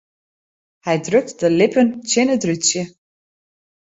Hy drukt de lippen tsjin it rútsje.